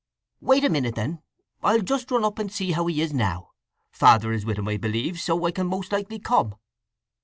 "Wait a minute, then. I'll just run up and see how he is now. Father is with him, I believe; so I can most likely come."